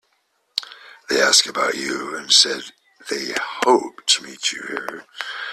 They asked about you and said they had hoped to meet you here.